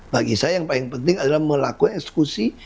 bagi saya yang paling penting adalah melakukan eksekusi